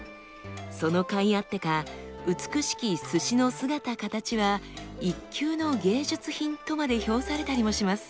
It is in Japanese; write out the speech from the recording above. そのかいあってか美しき鮨の姿形は一級の芸術品とまで評されたりもします。